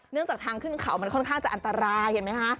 จากทางขึ้นเขามันค่อนข้างจะอันตรายเห็นไหมคะ